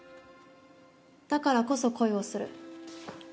だからこそ恋をする。